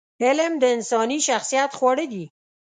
علم د انساني شخصیت خواړه دي.